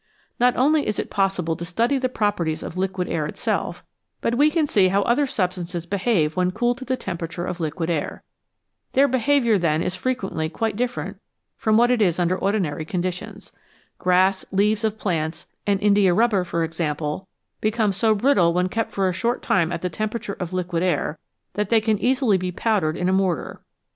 Not only is it possible to study the properties of liquid air itself, but we can see how other substances behave when cooled to the temperature of liquid air. Their behaviour then is frequently quite different from what it is under ordinary conditions. Grass, leaves of plants, and indiarubber, for ex ample, become so brittle when kept for a short time at the tempera ture of liquid air that they can easily be powdered in a mortar.